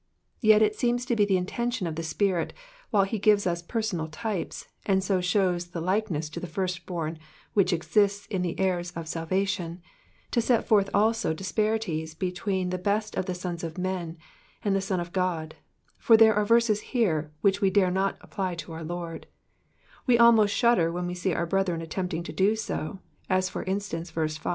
Yet it seems to be the intention of the Spirit, whUe he gives u^ personal types, and so shows the likeness to the first born which exists in the heirs of salvation, to set forth also the disparaties betvseen the best of the sons of men, and the i>on of God, for there are verses here which toe dare not apply to our Lord; we ahnost shudder when ice see our brethren attempting to do so, as for instance verse 5.